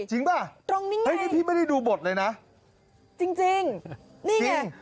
จริงป่ะพี่ไม่ได้ดูบทเลยนะจริงนี่ไงจริง